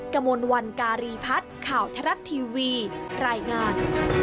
กระมวลวันการีพัฒน์ข่าวทรัฐทีวีรายงาน